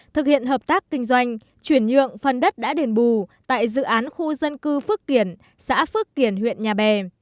thực hiện hợp tác kinh doanh chuyển nhượng phần đất đã đền bù tại dự án khu dân cư phước kiển xã phước kiển huyện nhà bè